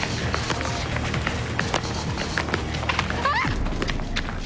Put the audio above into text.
あっ！？